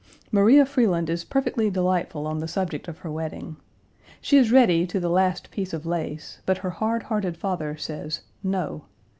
Maria Freeland is perfectly delightful on the subject of her wedding. She is ready to the last piece of lace, but her hard hearted father says "No."